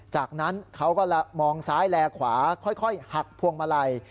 จากนั้นเขาก็มองซ้ายแลขวาค่อยหักพวงมาลัย